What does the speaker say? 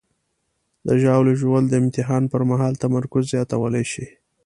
د ژاولې ژوول د امتحان پر مهال تمرکز زیاتولی شي.